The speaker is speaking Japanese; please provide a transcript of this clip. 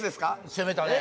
攻めたね